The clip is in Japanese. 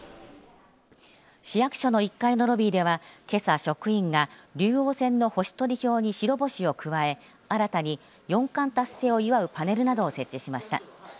市役所の１階のロビーではけさ、職員が竜王戦の星取り表に白星を加え新たに四冠達成を祝うパネルなどを設置しました。